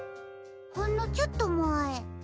ほんのちょっとまえ。